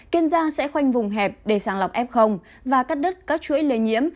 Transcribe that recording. kiên giang sẽ khoanh vùng hẹp để sáng lọc f và cắt đất các chuỗi lấy nhiễm